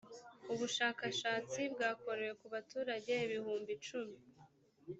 ubushakashatsi bwakorewe ku baturage ibihumbi cumi